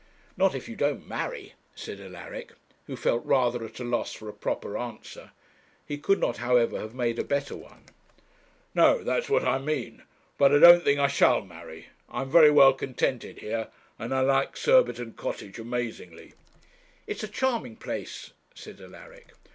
'Not if you don't marry,' said Alaric, who felt rather at a loss for a proper answer. He could not, however, have made a better one. 'No; that's what I mean; but I don't think I shall marry. I am very well contented here, and I like Surbiton Cottage amazingly.' 'It's a charming place,' said Alaric.